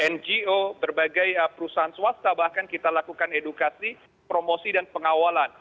ngo berbagai perusahaan swasta bahkan kita lakukan edukasi promosi dan pengawalan